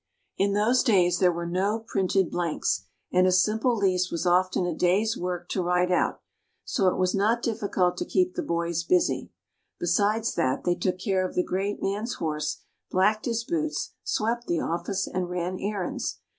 In those days there were no printed blanks, and a simple lease was often a day's work to write out; so it was not difficult to keep the boys busy. Besides that, they took care of the great man's horse, blacked his boots, swept the office, and ran errands.